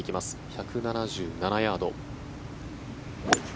１７７ヤード。